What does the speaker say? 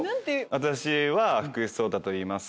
「私は福士蒼汰といいます」。